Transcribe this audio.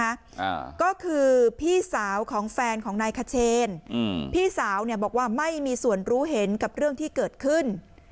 อ่าก็คือพี่สาวของแฟนของนายขเชนอืมพี่สาวเนี่ยบอกว่าไม่มีส่วนรู้เห็นกับเรื่องที่เกิดขึ้น